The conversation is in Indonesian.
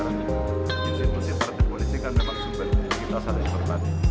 institusi partai polisi kan memang kita saling berkati